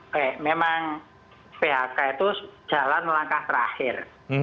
oke memang phk itu jalan langkah terakhir